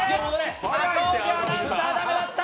赤荻アナウンサー、駄目だった。